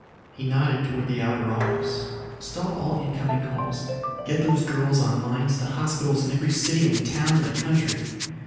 He nodded toward the outer office. "Stop all in coming calls. Get those girls on lines to hospitals in every city and town in the country.